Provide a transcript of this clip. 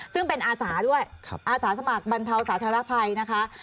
ซึ่งเป็นอาสาด้วยอาสาสมัครบรรเทาสาธารณภัยนะคะ